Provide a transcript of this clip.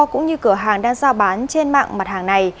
cũng như cửa hàng đang giao bán trên mạng mặt hàng này